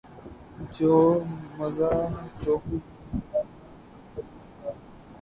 جو مزہ جوہر نہیں آئینۂ تعبیر کا